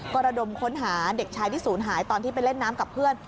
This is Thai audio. ก็ระดมค้นหาเด็กชายที่ศูนย์หายตอนที่ไปเล่นน้ำกับเพื่อน